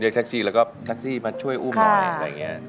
แท็กซี่แล้วก็แท็กซี่มาช่วยอุ้มหน่อยอะไรอย่างนี้